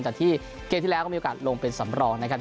จากที่เกมที่แล้วก็มีโอกาสลงเป็นสำรองนะครับ